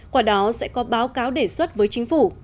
quả đó sẽ có báo cáo đề xuất với chính phủ